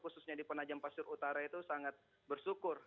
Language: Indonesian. khususnya di penajam pasir utara itu sangat bersyukur